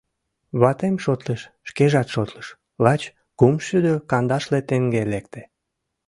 — Ватем шотлыш, шкежат шотлыш — лач кумшӱдӧ кандашле теҥге лекте.